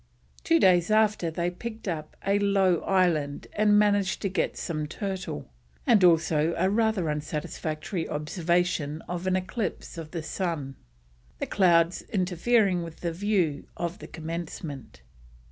Two days after they picked up a low island and managed to get some turtle, and also a rather unsatisfactory observation of an eclipse of the sun, the clouds interfering with the view of the commencement.